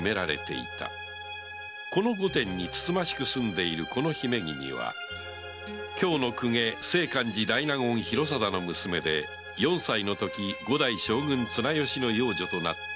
この御殿に慎ましく住んでいるこの姫君は京の公家清閑寺大納言煕定の娘で四歳のとき五代将軍・綱吉の養女となった竹姫である